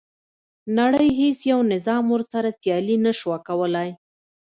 نړۍ هیڅ یو نظام ورسره سیالي نه شوه کولای.